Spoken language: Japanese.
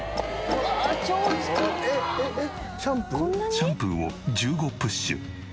シャンプーを１５プッシュ。